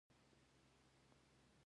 آیا چې اقتصاد او عدالت ونلري؟